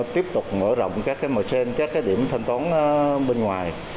tiếp tục mở rộng các cái mở trên các cái điểm thanh toán bên ngoài